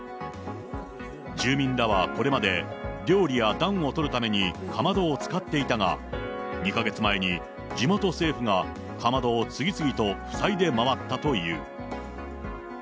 住民らはこれまで、料理や暖をとるためにかまどを使っていたが、２か月前に、地元政府がかまどを次々と塞いで回ったという。